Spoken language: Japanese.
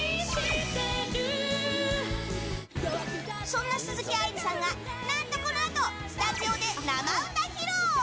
そんな鈴木愛理さんが何とこのあとスタジオで生歌披露。